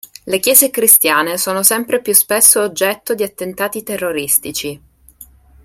Le chiese cristiane sono sempre più spesso oggetto di attentati terroristici.